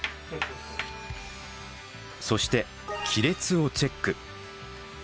そして亀裂をチェック。